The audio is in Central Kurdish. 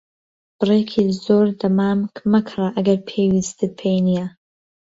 بڕێکی زۆر دەمامک مەکڕە ئەگەر پێویستیت پێی نییە.